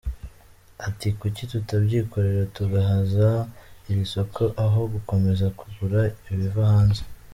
Ati“Kuki tutabyikorera tugahaza iri soko aho gukomeza kugura ibiva hanze.